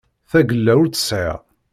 Tagella ur tt-sεiɣ.